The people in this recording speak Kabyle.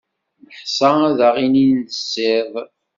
Neḥṣa ad aɣ-inin d isiḍ.